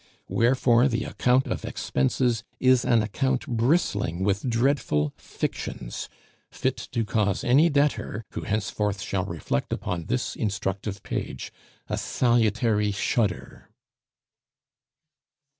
Wherefore, the "account of expenses" is an account bristling with dreadful fictions, fit to cause any debtor, who henceforth shall reflect upon this instructive page, a salutary shudder.